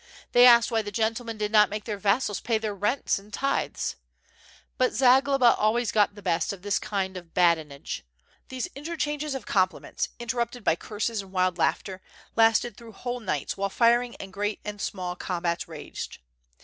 They asked why the gentlemen did not make their vassals pay their rents and tithes. But Zagloba always got the best of this kind of badinage. These interchanges of compliments, interrupted by curses and wild laughter, lasted through whole nights while firing and great and small combats raged.